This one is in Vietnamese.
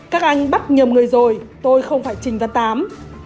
các anh bắt nhầm người rồi tôi không phải trình và tám